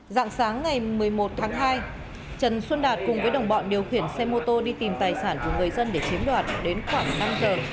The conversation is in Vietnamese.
dạng sáng ngày một mươi một tháng hai trần xuân đạt cùng với đồng bọn điều khiển xe mô tô đi tìm tài sản của người dân để chiếm đoạt đến khoảng năm giờ